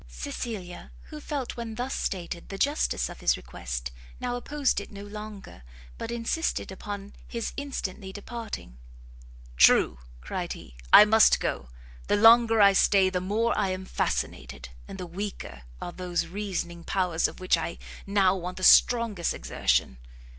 Cecilia, who felt when thus stated the justice of his request, now opposed it no longer, but insisted upon his instantly departing. "True," cried he, "I must go! the longer I stay, the more I am fascinated, and the weaker are those reasoning powers of which I now want the strongest exertion."